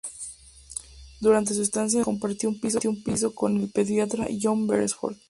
Durante su estancia en Londres, compartió un piso con el pediatra John Beresford.